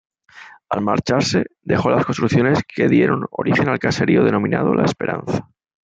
Al marcharse, dejó las construcciones que dieron origen al caserío denominado La Esperanza.